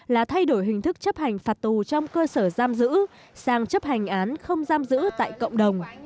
là thay đổi hình thức chấp hành phạt tù trong cơ sở giam giữ sang chấp hành án không giam giữ tại cộng đồng